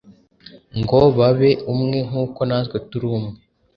ngo babe umwe, nk’uko natwe turi umwe.”